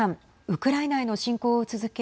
ウクライナへの侵攻を続け